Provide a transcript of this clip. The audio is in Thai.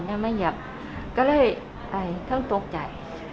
ยังไม่เหยียบก็เลยต้องโต๊ะจ่าย